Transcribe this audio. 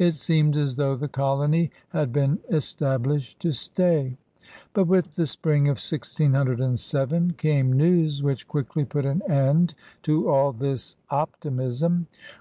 It seemed as though the colony had been established to stay. But with the spring of 1607 came news which quickly put an end to all this optimism.